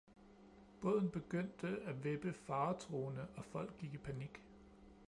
Båden begyndte at vippe faretruende, og folk gik i panik.